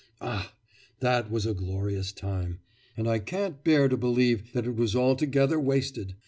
Ah! that was a glorious time, and I can't bear to believe that it was altogether wasted!